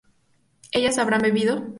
¿ellas habrán bebido?